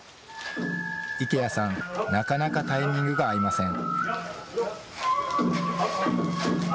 池谷さん、なかなかタイミングが合いません。